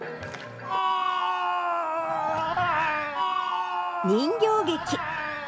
人形劇。